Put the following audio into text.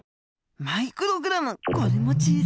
マイクログラムこれも小さい！